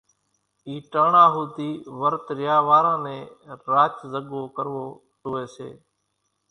اِي ٽاڻا ۿوڌي ورت ريا واران نين راچ زڳو ڪروو زوئي سي۔